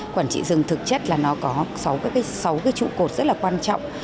quản trị rừng thực chất là nó có cái sáu cái trụ cột rất là quan trọng